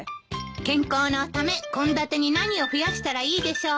健康のため献立に何を増やしたらいいでしょうか。